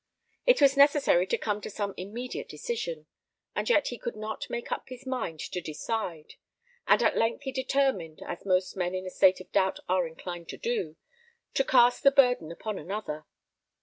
It was necessary to come to some immediate decision; and yet he could not make up his mind to decide; and at length he determined, as most men in a state of doubt are inclined to do, to cast the burden upon another.